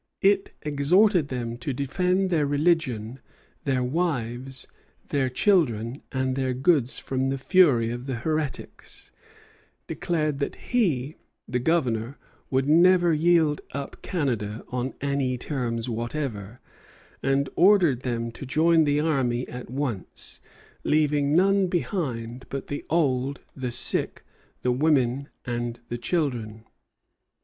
It exhorted them to defend their religion, their wives, their children, and their goods from the fury of the heretics; declared that he, the Governor, would never yield up Canada on any terms whatever; and ordered them to join the army at once, leaving none behind but the old, the sick, the women, and the children.